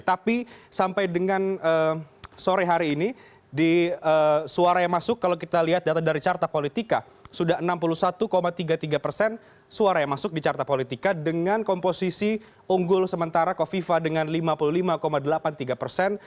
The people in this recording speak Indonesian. tapi sampai dengan sore hari ini di suara yang masuk kalau kita lihat data dari carta politika sudah enam puluh satu tiga puluh tiga persen suara yang masuk di carta politika dengan komposisi unggul sementara kofifa dengan lima puluh lima delapan puluh tiga persen